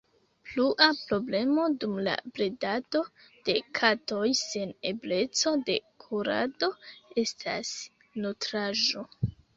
Plua problemo dum la bredado de katoj sen ebleco de kurado estas nutraĵo.